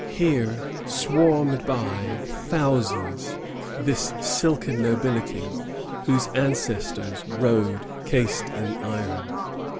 Here swarmed by thousands this silken nobility, whose ancestors rode cased in iron.